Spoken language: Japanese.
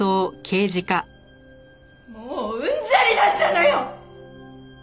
もううんざりだったのよ！